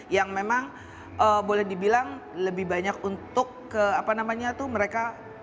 yang memang boleh dibilang lebih banyak untuk apa namanya tuh mereka